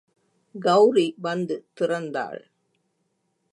கௌரி வந்து திறந்தாள்.